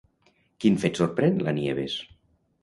Quin fet sorprèn la Nieves?